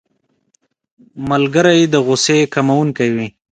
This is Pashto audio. ملګری د غوسې کمونکی وي